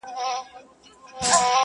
o قاضي و ویل حاضر کئ دا نا اهله,